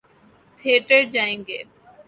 Theatre جائیں گے۔